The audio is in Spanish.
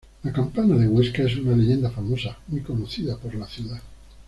La Campana de Huesca es una leyenda famosa muy conocida por la ciudad.